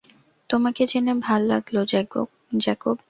তোমাকে জেনে ভাল্লাগলো, জ্যাকব!